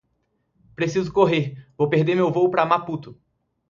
Preciso correr, vou perder meu voo para Maputo.